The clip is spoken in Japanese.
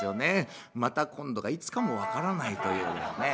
「また今度」がいつかも分からないというですね